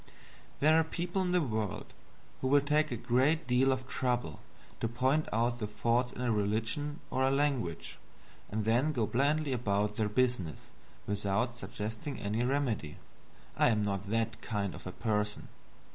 There are people in the world who will take a great deal of trouble to point out the faults in a religion or a language, and then go blandly about their business without suggesting any remedy. I am not that kind of person.